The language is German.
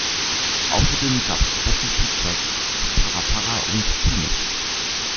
Außerdem gab es Special Features zu Para Para und Two-Mix.